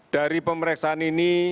dari pemeriksaan ini